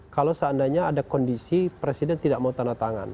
kalau seandainya ada kondisi presiden tidak mau tanda tangan